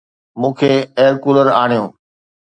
مون کي air cooler آڻيو